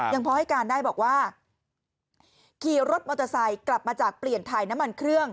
พอให้การได้บอกว่าขี่รถมอเตอร์ไซค์กลับมาจากเปลี่ยนถ่ายน้ำมันเครื่อง